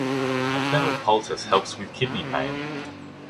A fennel poultice helps with kidney pain.